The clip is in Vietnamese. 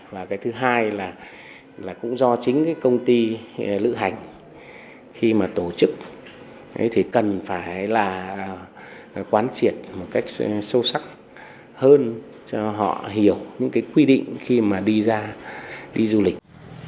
và cái thứ hai là cũng do chính cái công ty lữ hành khi mà tổ chức thì cần phải là quán triệt một cách sâu sắc hơn cho họ hiểu những cái quy định khi mà đi ra đi du lịch